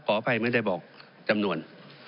ขออภัยไม่ได้บอกจำนวน